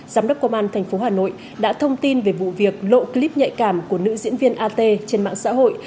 giám đốc công an tp hà nội đã thông tin về vụ việc lộ clip nhạy cảm của nữ diễn viên at trên mạng xã hội